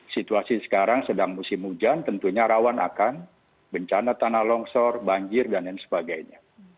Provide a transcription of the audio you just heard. situasi sekarang sedang musim hujan tentunya rawan akan bencana tanah longsor banjir dan lain sebagainya